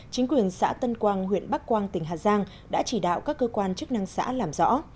chính quyền xã tân quang huyện bắc quang tỉnh hà giang đã chỉ đạo các cơ quan chức năng xã làm rõ